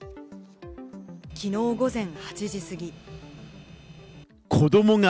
昨日午前８時過ぎ。